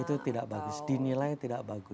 itu tidak bagus dinilai tidak bagus